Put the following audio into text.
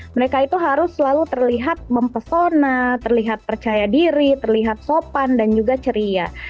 mereka itu harus selalu terlihat mempesona terlihat percaya diri terlihat sopan dan juga ceria